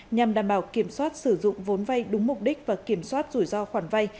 nhằm đảm bảo kiểm soát sử dụng vốn vay đúng mục đích và kiểm soát rủi ro khoản vay